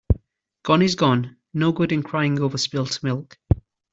Gone is gone. No good in crying over spilt milk.